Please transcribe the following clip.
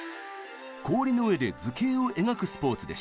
氷の上で図形を描くスポーツでした。